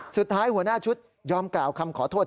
สุดท้ายหัวหน้าชุดยอมกล่าวคำขอโทษ